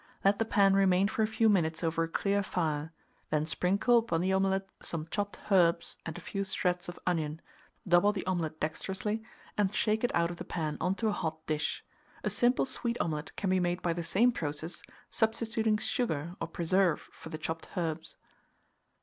Let the pan remain for a few minutes over a clear fire; then sprinkle upon the omelet some chopped herbs and a few shreds of onion; double the omelet dexterously, and shake it out of the pan on to a hot dish. A simple sweet omelet can be made by the same process, substituting sugar or preserve for the chopped herbs.